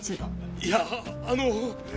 いやあの。